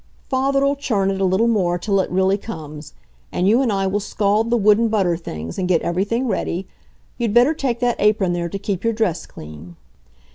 "Father'll churn it a little more till it really comes. And you and I will scald the wooden butter things and get everything ready. You'd better take that apron there to keep your dress clean."